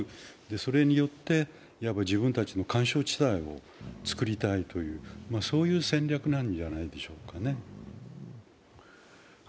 それによって、自分たちの緩衝地帯をつくりたいという戦略なんじゃないでしょうか。